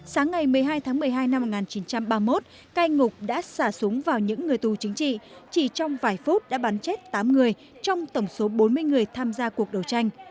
sáng ngày một mươi hai tháng một mươi hai năm một nghìn chín trăm ba mươi một cai ngục đã xả súng vào những người tù chính trị chỉ trong vài phút đã bắn chết tám người trong tổng số bốn mươi người tham gia cuộc đấu tranh